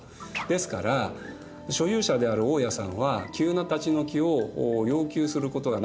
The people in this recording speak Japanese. ですから所有者である大家さんは急な立ち退きを要求することがなかなかできない。